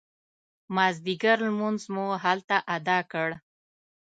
مازدیګر لمونځ مو هلته اداء کړ.